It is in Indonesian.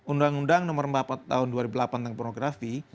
undang undang nomor empat tahun dua ribu delapan tentang pornografi